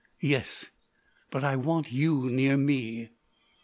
"Yes.... But I want you near me."